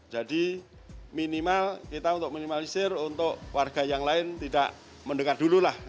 jadi minimal kita untuk minimalisir untuk warga yang lain tidak mendengar dulu lah